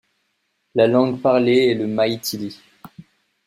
La langue parlée est le Maïthili.